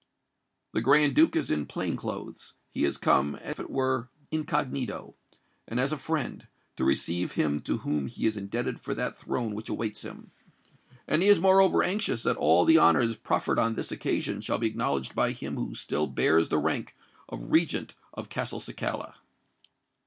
The Grand Duke is in plain clothes: he has come as it were incognito, and as a friend, to receive him to whom he is indebted for that throne which awaits him; and he is moreover anxious that all the honours proffered on this occasion shall be acknowledged by him who still bears the rank of Regent of Castelcicala.